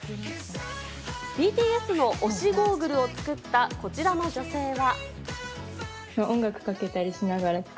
ＢＴＳの推しゴーグルを作ったこちらの女性は。